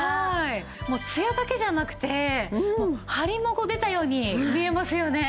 もうツヤだけじゃなくてもうハリも出たように見えますよね。